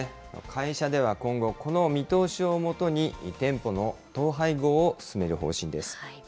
会社では今後、この見通しをもとに店舗の統廃合を進める方針です。